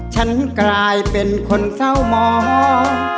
ฉันกลายเป็นคนเศร้ามอง